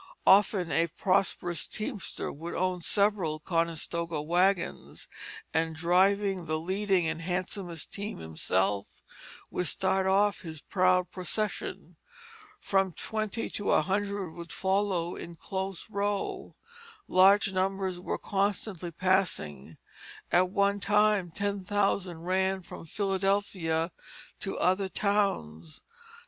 Often a prosperous teamster would own several Conestoga wagons, and driving the leading and handsomest team himself would start off his proud procession. From twenty to a hundred would follow in close row. Large numbers were constantly passing. At one time ten thousand ran from Philadelphia to other towns.